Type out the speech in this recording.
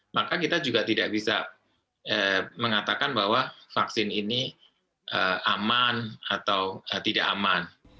maka kita juga tidak bisa mengatakan bahwa vaksin ini aman atau tidak aman